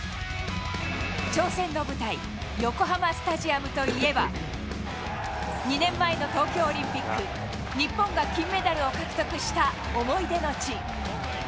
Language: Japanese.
挑戦の舞台、横浜スタジアムといえば、２年前の東京オリンピック、日本が金メダルを獲得した思い出の地。